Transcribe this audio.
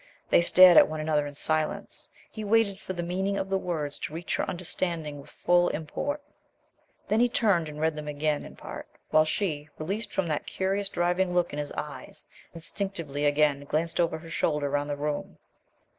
They stared at one another in silence. He waited for the meaning of the words to reach her understanding with full import. Then he turned and read them again in part, while she, released from that curious driving look in his eyes, instinctively again glanced over her shoulder round the room.